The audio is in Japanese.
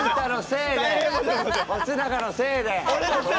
松永のせいで。